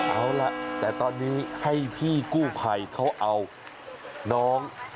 เอาล่ะแต่ตอนนี้ให้พี่กู้ภัยเขาเอาน้อง